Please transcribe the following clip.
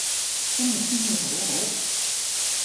今日天氣好好